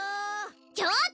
ちょっと！